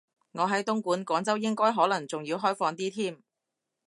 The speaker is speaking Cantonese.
我喺東莞，廣州應該可能仲要開放啲添